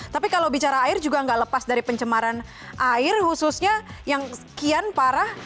tapi kalau bicara air juga nggak lepas dari pencemaran air khususnya yang sekian parah